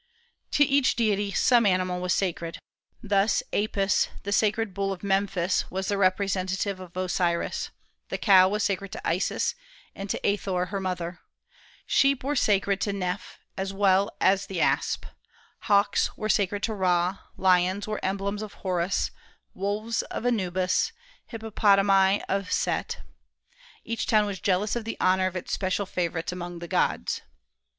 To each deity some animal was sacred. Thus Apis, the sacred bull of Memphis, was the representative of Osiris; the cow was sacred to Isis, and to Athor her mother. Sheep were sacred to Kneph, as well as the asp. Hawks were sacred to Ra; lions were emblems of Horus, wolves of Anubis, hippopotami of Set. Each town was jealous of the honor of its special favorites among the gods.